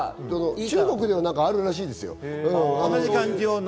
中国ではあるらしいですよ。